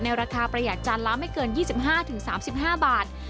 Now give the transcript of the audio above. ราคาประหยัดจานละไม่เกิน๒๕๓๕บาท